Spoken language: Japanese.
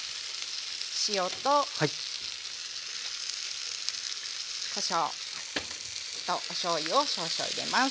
塩とこしょうとおしょうゆを少々入れます。